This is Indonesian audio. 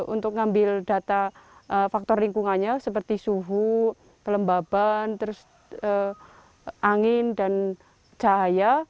untuk mengambil data faktor lingkungannya seperti suhu pelembaban angin dan cahaya